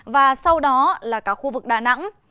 và sau đó là cả khu vực đà nẵng